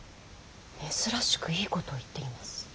珍しくいいことを言っています。